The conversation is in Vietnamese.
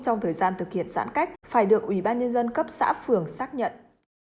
trong thời gian thực hiện giãn cách phải được ủy ban nhân dân cấp xã phường xác nhận